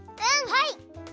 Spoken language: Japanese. はい！